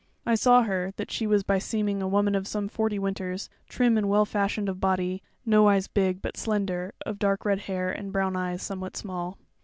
I saw her, that she was by seeming a woman of some forty winters, trim and well fashioned of body, nowise big, but slender, of dark red hair and brown eyes somewhat small.